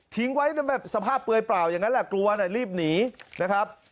ไว้แบบสภาพเปลือยเปล่าอย่างนั้นแหละกลัวน่ะรีบหนีนะครับ